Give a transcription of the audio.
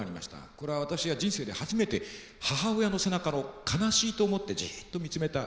これは私が人生で初めて母親の背中の悲しいと思ってジッと見つめた瞬間です。